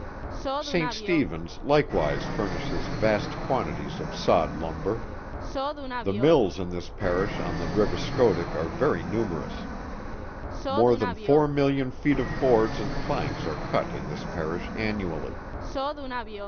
St. Stephens likewise furnishes vast quantities of sawed lumber. The mills in this parish on the river Schoodick are very numerous. More than four million feet of boards and planks are cut in this Parish annually.